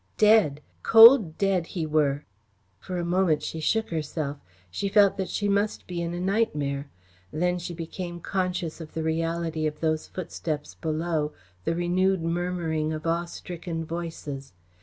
"Dead! Cold dead he were!" For a moment she shook herself. She felt that she must be in a nightmare. Then she became conscious of the reality of those footsteps below, the renewed murmuring of awe stricken voices.